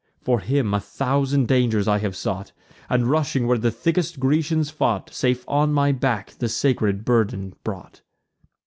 For him, a thousand dangers I have sought, And, rushing where the thickest Grecians fought, Safe on my back the sacred burthen brought.